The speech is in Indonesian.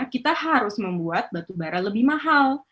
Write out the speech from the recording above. kita harus membuat batu bara lebih mahal